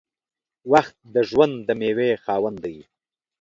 • وخت د ژوند د میوې خاوند دی.